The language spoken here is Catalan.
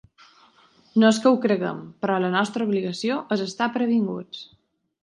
No és que ho creguem, però la nostra obligació és estar previnguts.